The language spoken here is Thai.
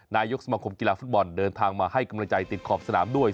นายกสมคมกีฬาฟุตบอลเดินทางมาให้กำลังใจติดขอบสนามด้วย